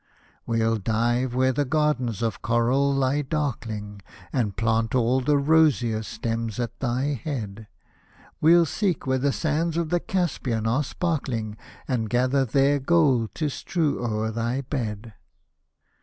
We'll dive where the gardens of coral lie darkling, And plant all the rosiest stems at thy head ; We'll seek where the sands of the Caspian are sparkling, And gather their gold to strew over thy bed.